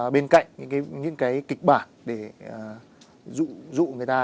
bên cạnh những cái kịch bản để dụ dụ người ta